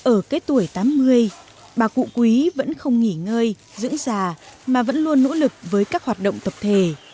ở cái tuổi tám mươi bà cụ quý vẫn không nghỉ ngơi dưỡng già mà vẫn luôn nỗ lực với các hoạt động tập thể